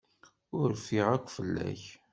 Ur rfiɣ akk fell-ak.